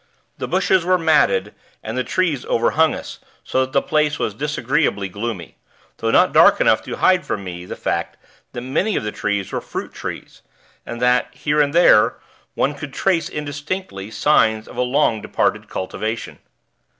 The bushes were matted, and the trees overhung us, so that the place was disagreeably gloomy; though not dark enough to hide from me the fact that many of the trees were fruit trees, and that, here and there, one could trace indistinctly, signs of a long departed cultivation.